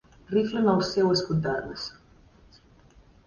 Rifle en el seu escut d'armes.